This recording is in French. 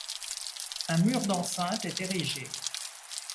Un mur d'enceinte est érigé.